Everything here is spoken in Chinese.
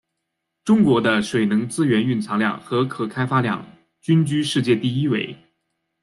中国的水能资源蕴藏量和可开发量均居世界第一位。